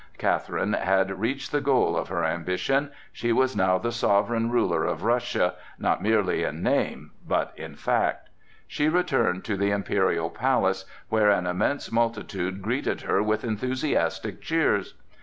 Catherine had reached the goal of her ambition; she was now the sovereign ruler of Russia, not merely in name, but in fact. She returned to the imperial palace, where an immense multitude greeted her with enthusiastic cheers.